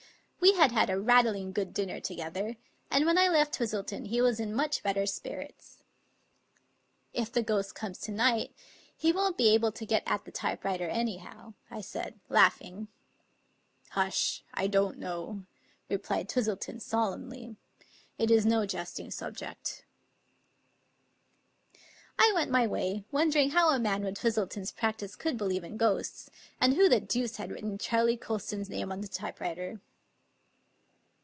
We had had a rattling good dinner together, and when I left Twistleton he was in much better spirits. " If the ghost comes to night, he won't be able to get at the typewriter anyhow," I said, laughing. "Hush! I don't know," replied Twistleton solemnly. " It is no jesting subject." I went my way, wondering how a man with Twistleton's practice could believe in ghosts, and who the deuce had written Charley Colston's name on the typewriter.